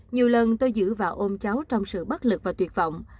nhiều lần tôi giữ vào ôm cháu trong sự bất lực và tuyệt vọng